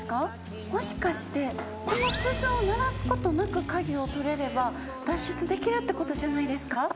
もしかしてこの鈴を鳴らすことなく鍵を取れれば脱出できるってことじゃないですか？